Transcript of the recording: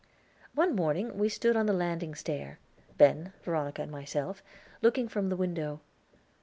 One morning we stood on the landing stair Ben, Veronica, and myself looking from the window.